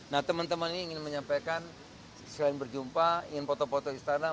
nah teman teman ini ingin menyampaikan selain berjumpa ingin foto foto istana